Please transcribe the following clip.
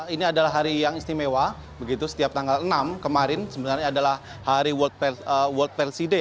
ini adalah hari yang istimewa begitu setiap tanggal enam kemarin sebenarnya adalah hari world part seaday